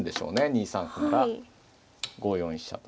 ２三歩なら５四飛車と。